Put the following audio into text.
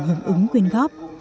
hồng ứng quyên góp